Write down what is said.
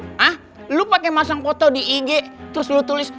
hah lu pake masang foto di ig terus lu tulis